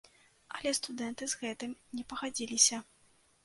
Але студэнты з гэтым не пагадзіліся.